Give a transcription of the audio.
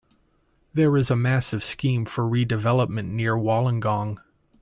There is a massive scheme for redevelopment near Wollongong.